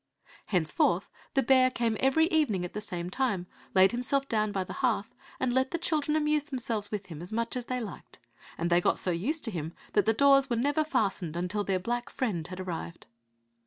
Henceforth the bear came every evening at the same time, laid himself down by the hearth, and let the children amuse themselves with him as much as they liked; and they got so used to him that the doors were never fastened until their black friend had arrived.